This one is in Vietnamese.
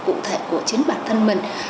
cụ thể của chính bản thân mình